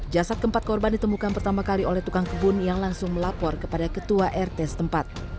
jasad keempat korban ditemukan pertama kali oleh tukang kebun yang langsung melapor kepada ketua rt setempat